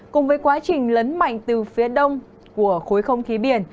cùng với quá trình lấn mạnh từ phía đông của khối không khí biển